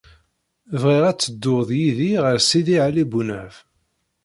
Bɣiɣ ad teddud yid-i ɣer Sidi Ɛli Bunab.